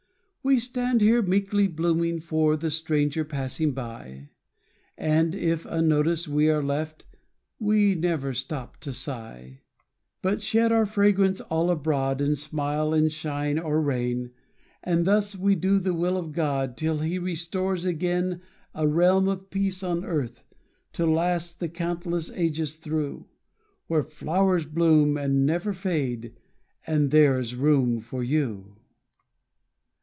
We stand here meekly blooming for The stranger passing by; And if unnoticed we are left, We never stop to sigh, But shed our fragrance all abroad, And smile in shine or rain And thus we do the will of God Till he restores again A realm of peace on earth, to last The countless ages through; Where flowers bloom and never fade; And there is room for you.